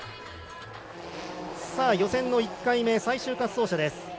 予選の１回目、最終滑走者。